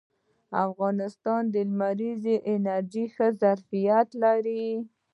افغانستان د لمریزې انرژۍ ښه ظرفیت لري